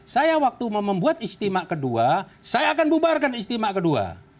saya waktu mau membuat istimewa kedua saya akan bubarkan istimewa kedua